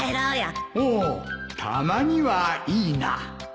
おおたまにはいいな